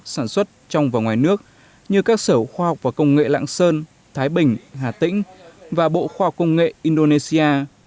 sản xuất trong và ngoài nước như các sở khoa học và công nghệ lạng sơn thái bình hà tĩnh và bộ khoa học công nghệ indonesia